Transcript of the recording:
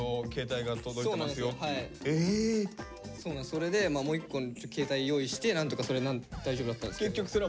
それでもう一個携帯用意してなんとかそれ大丈夫だったんですけど。